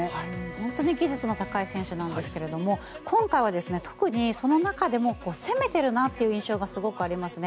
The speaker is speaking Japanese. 本当に技術の高い選手なんですが今回は特にその中でも攻めているなという印象がすごくありますね。